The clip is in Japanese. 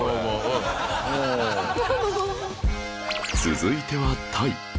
続いてはタイ